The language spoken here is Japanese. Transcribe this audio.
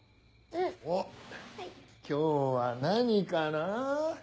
おっ今日は何かなぁ？